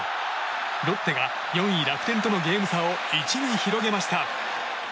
ロッテが４位、楽天とのゲーム差を１に広げました。